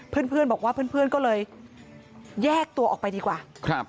เพื่อนบอกว่าเพื่อนก็เลยแยกตัวออกไปดีกว่าครับ